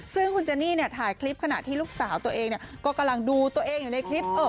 ซึ่งคุณเจนี่เนี่ยถ่ายคลิปขณะที่ลูกสาวตัวเองก็กำลังดูตัวเองอยู่ในคลิป